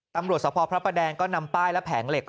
ตำรวจสภพระประแดงก็นำป้ายและแผงเหล็ก